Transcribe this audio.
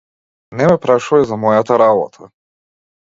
Не ме прашувај за мојата работа.